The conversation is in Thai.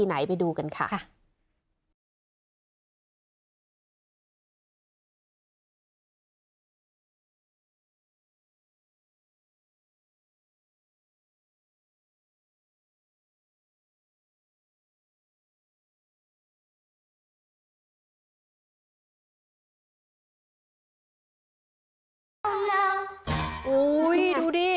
อุ้ยดูดิ